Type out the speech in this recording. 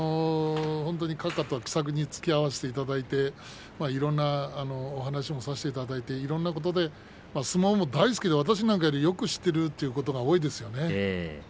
本当に閣下とは気さくにつきあわせていただいていろいろなお話をさせていただいて相撲も大好きで私なんかよりよく知っていることが多いですよね。